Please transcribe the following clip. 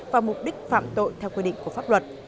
và mục đích phạm tội theo quy định của pháp luật